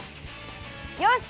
よし！